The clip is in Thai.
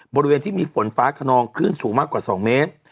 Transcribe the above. บริเวณที่มีฝนฟ้าขนองคลื่นสูงมากกว่า๒เมตร